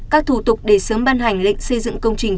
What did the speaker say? các thủ tục để sớm ban hành lệnh xây dựng công trình